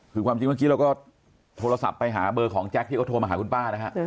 คือความจริงเมื่อกี้เราก็โทรศัพท์ไปหาเบอร์ของแจ็คที่เขาโทรมาหาคุณป้านะฮะ